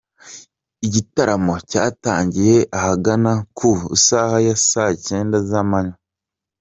Igitaramo cyatangiye ahagana ku isaha ya saa cyenda z’amanywa.